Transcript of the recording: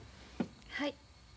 はい。